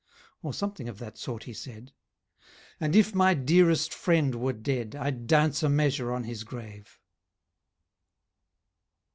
Or something of that sort he said, 'And if my dearest friend were dead I'd dance a measure on his grave.'